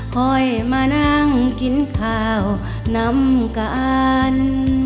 ค่อยมานั่งกินข้าวนำกัน